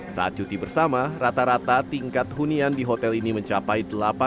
saat cuti bersama rata rata tingkat hunian di hotel ini mencapai delapan puluh